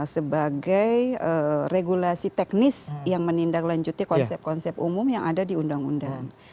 sebagai regulasi teknis yang menindaklanjuti konsep konsep umum yang ada di undang undang